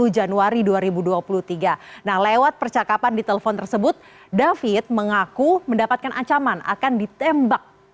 dua puluh januari dua ribu dua puluh tiga nah lewat percakapan di telepon tersebut david mengaku mendapatkan ancaman akan ditembak